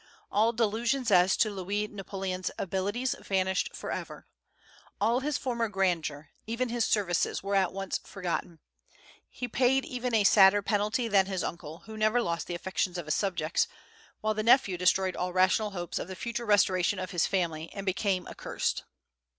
All delusions as to Louis Napoleon's abilities vanished forever. All his former grandeur, even his services, were at once forgotten. He paid even a sadder penalty than his uncle, who never lost the affections of his subjects, while the nephew destroyed all rational hopes of the future restoration of his family, and became accursed.